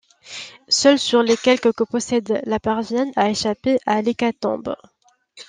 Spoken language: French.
Seuls sur les quelque que possède la parviennent à échapper à l'hécatombe.